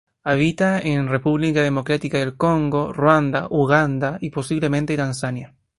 Habita en República Democrática del Congo, Ruanda, Uganda y posiblemente Tanzania.